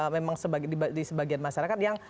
memang di sebagian masyarakat yang